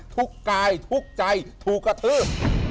ถูกกายถูกใจถูกกะทือ